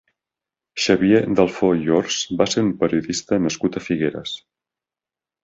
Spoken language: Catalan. Xavier Dalfó i Hors va ser un periodista nascut a Figueres.